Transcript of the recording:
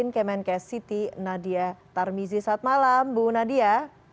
kemenkes siti nadia tarmizi saat malam bu nadia